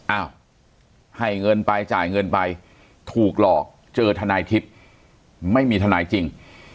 เอ้าให้เงินไปจ่ายเงินไปถูกหลอกเจอทนายทิศไม่มีทนายจริง